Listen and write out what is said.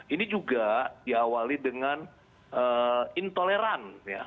ini juga diawali dengan intoleran ya